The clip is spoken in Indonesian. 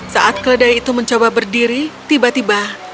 saat keledai itu mencoba berdiri tiba tiba